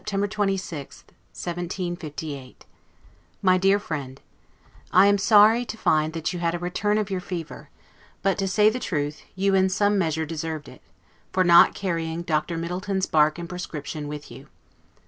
LETTER CCXXXII LONDON, September 26, 1758 MY DEAR FRIEND: I am sorry to find that you had a return of your fever; but to say the truth, you in some measure deserved it, for not carrying Dr. Middleton's bark and prescription with you.